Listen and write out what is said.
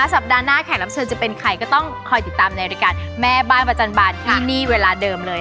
สัปดาห์หน้าแขกรับเชิญจะเป็นใครก็ต้องคอยติดตามในรายการแม่บ้านประจันบาลที่นี่เวลาเดิมเลย